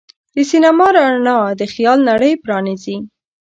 د سینما رڼا د خیال نړۍ پرانیزي.